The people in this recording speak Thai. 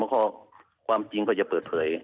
ข้อความจริงก็จะเปิดเผย